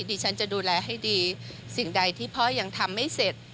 ดิฉันจะดูแลให้ดีสิ่งใดที่พ่อยังทำไม่เสร็จ